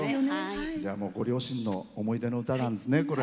ご両親の思い出の歌なんですね。